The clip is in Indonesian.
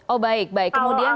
oh baik baik kemudian